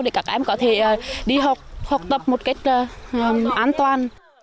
để các em có thể đi học học tập một cách an toàn